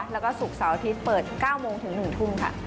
แล้วก็ศุกร์เสาร์อาทิตย์เปิด๙โมงถึง๑ทุ่มค่ะ